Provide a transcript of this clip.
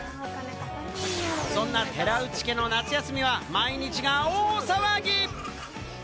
そんな寺内家の夏休みは毎日が大騒ぎ！